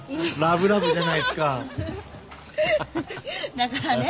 だからね